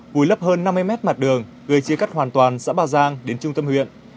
vùi lấp hơn năm mươi mét mặt đường gây chia cắt hoàn toàn xã bà giang đến trung tâm huyện